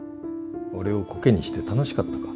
俺をこけにして楽しかったか？